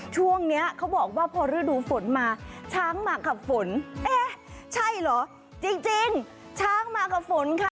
ช่วงนี้เขาบอกว่าพอฤดูฝนมาช้างมากับฝนเอ๊ะใช่เหรอจริงช้างมากับฝนค่ะ